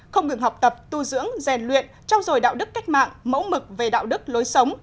không ngừng học tập tu dưỡng rèn luyện trao dồi đạo đức cách mạng mẫu mực về đạo đức lối sống